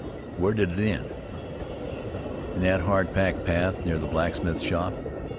"Where did it end?" "In that hard packed path near the blacksmith shop.